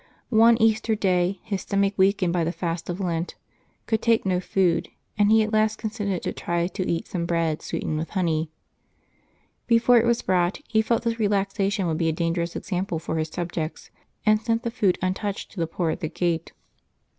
One Easter Day, his stomach, weakened by the fast of Lent, could take no food, and he at last consented to try to eat some bread sweetened with honey. Before it was brought, he felt this relaxation would be a dangerous example for his subjects, and sent the food untouched to the poor at the gate.